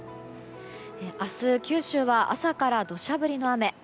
明日、九州は朝から土砂降りの雨。